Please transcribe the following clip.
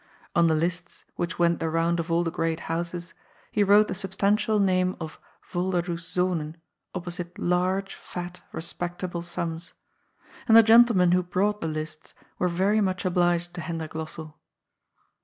On the lists which went the round of all the great houses he wrote the substantial name of " Volderdoes Zonen " opposite large, fat, respectable sums. And the gentlemen who brought the lists were very much obliged to Hendrik Lossell.